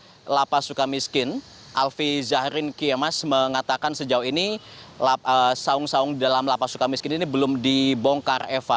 saung saung di dalam lapas suka miskin alvi zaharin kiemas mengatakan sejauh ini saung saung di dalam lapas suka miskin ini belum dibongkar eva